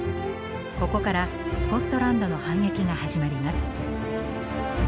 ここからスコットランドの反撃が始まります。